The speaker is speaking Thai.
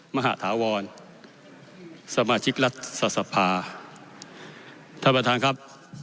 มหาฐาวรสมาชิกรัฐสภาท่านประธานครับ